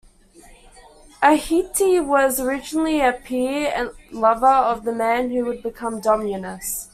Ahti was originally a peer and lover of the man who would become Dominus.